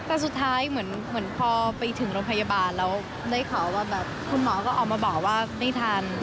แต่สุดท้ายเหมือนพอไปถึงโรงพยาบาลแล้วได้ข่าวว่าแบบคุณหมอก็ออกมาบอกว่าไม่ทัน